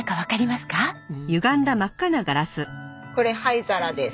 これ灰皿です。